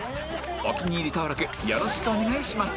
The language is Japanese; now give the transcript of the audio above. お気に入り登録よろしくお願いします